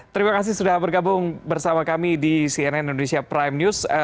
terima kasih sudah bergabung bersama kami di cnn indonesia prime news